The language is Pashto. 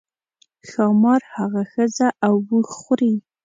ښامار هغه ښځه او اوښ خوري.